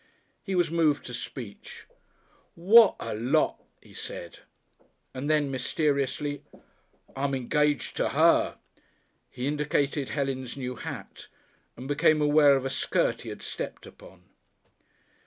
He was moved to speech. "What a Lot!" he said, and then mysteriously, "I'm engaged to her." He indicated Helen's new hat, and became aware of a skirt he had stepped upon.